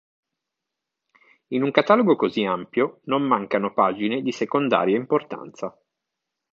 In un catalogo così ampio, non mancano pagine di secondaria importanza.